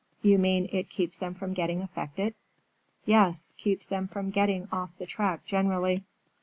"You mean it keeps them from getting affected?" "Yes; keeps them from getting off the track generally."